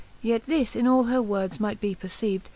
Yet this in all her words might be perceived.